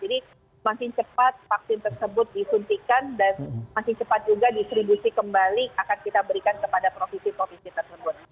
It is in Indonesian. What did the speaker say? jadi makin cepat vaksin tersebut disuntikan dan makin cepat juga distribusi kembali akan kita berikan kepada provinsi provinsi tersebut